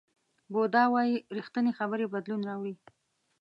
بودا وایي ریښتینې خبرې بدلون راوړي.